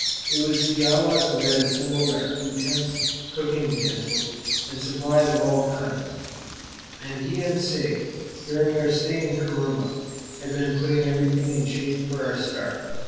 It was Fiala who had assembled our food tents, cooking utensils, and supplies of all kinds, and he and Sigg, during their stay in Corumba, had been putting everything in shape for our start.